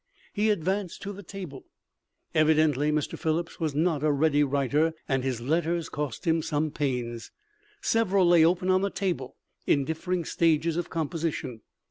He advanced to the table. Evidently Mr. Phillips was not a ready writer and his letters cost him some pains. Several lay open on the table in different stages of composition.